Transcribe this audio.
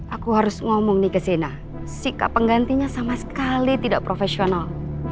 aku harus ngomong nih ke zena sikap penggantinya sama sekali tidak profesional